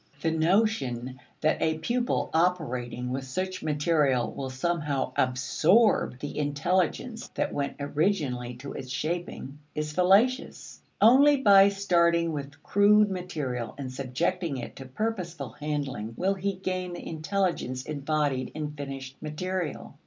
The notion that a pupil operating with such material will somehow absorb the intelligence that went originally to its shaping is fallacious. Only by starting with crude material and subjecting it to purposeful handling will he gain the intelligence embodied in finished material.